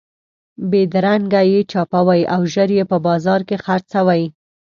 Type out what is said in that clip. بېدرنګه یې چاپوئ او ژر یې په بازار کې خرڅوئ.